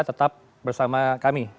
tetap bersama kami